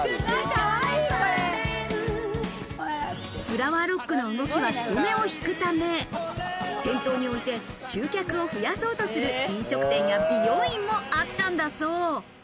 フラワーロックの動きは人目を引くため、店頭に置いて集客を増やそうとする飲食店や美容院もあったんだそう。